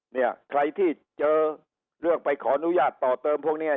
เนี่ยใครที่เจอเรื่องไปขออนุญาตต่อเติมพวกเนี้ย